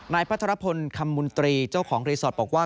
พัทรพลคำมุนตรีเจ้าของรีสอร์ทบอกว่า